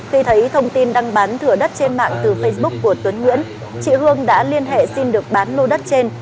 khi thấy thông tin đăng bán thửa đất trên mạng từ facebook của tuấn nguyễn chị hương đã liên hệ xin được bán lô đất trên